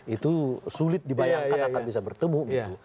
itu sulit dibayangkan akan bisa bertemu gitu